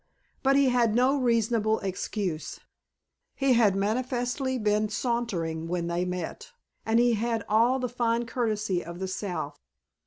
But he had no reasonable excuse, he had manifestly been sauntering when they met, and he had all the fine courtesy of the South.